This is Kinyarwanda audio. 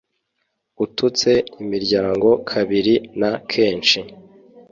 ututse imiryango kabiri. na kenshi